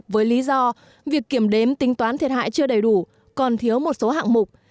với lý do việc kiểm đếm tính toán thiệt hại chưa đầy đủ còn thiếu một số hạng mục